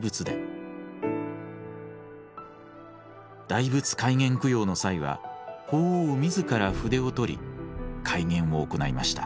大仏開眼供養の際は法皇自ら筆を執り開眼を行いました。